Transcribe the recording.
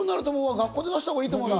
学校で話したほうがいいと思うな。